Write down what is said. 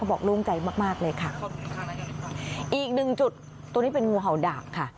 เขาบอกโล่งใจมากเลยค่ะอีกหนึ่งจุดตัวนี้เป็นงูเหาดักค่ะ